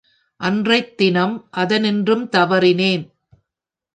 அன்றைத் தினம் அதனின்றும் தவறினேன்.